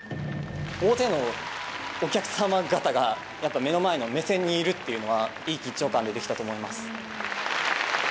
大勢のお客様方がやっぱり目の前の目線にいるというのは、いい緊張感でできたと思います。